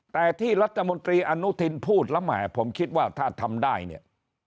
แต่ที่รัฐมนตรีอนุทินพูดแล้วแหมผมคิดว่าถ้าทำได้เนี่ย